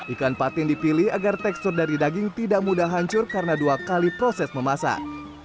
ikan patin dipilih agar tekstur dari daging tidak mudah hancur karena dua kali proses memasak